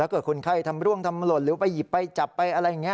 เกิดคนไข้ทำร่วงทำหล่นหรือไปหยิบไปจับไปอะไรอย่างนี้